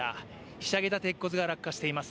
ひしゃげた鉄骨が落下しています。